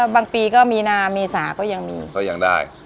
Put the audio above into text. ปีก็มีนาเมษาก็ยังมีก็ยังได้